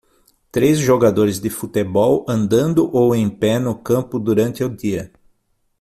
Três jogadores de futebol andando ou em pé no campo durante o dia.